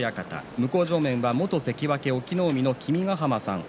向正面は元関脇隠岐の海の君ヶ濱さんです。